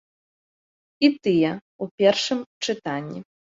І тыя ў першым чытанні.